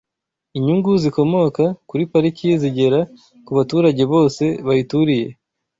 Inyungu zikomoka kuri pariki zigera ku baturage bose bayituriye